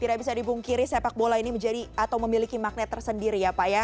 tidak bisa dibungkiri sepak bola ini menjadi atau memiliki magnet tersendiri ya pak ya